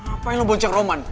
ngapain lu bonceng roman